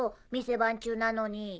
店番中なのに。